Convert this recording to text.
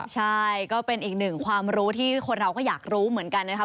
ใช่ก็เป็นอีกหนึ่งความรู้ที่คนเราก็อยากรู้เหมือนกันนะครับ